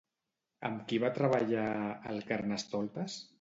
Amb qui va treballar a El Carnestoltes?